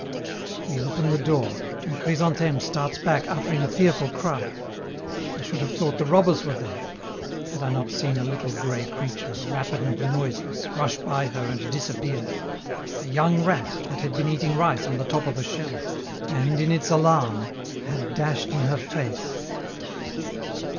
We open the door, and Chrysantheme starts back uttering a fearful cry. I should have thought the robbers were there, had I not seen a little gray creature, rapid and noiseless, rush by her and disappear; a young rat that had been eating rice on the top of a shelf, and, in its alarm, had dashed in her face.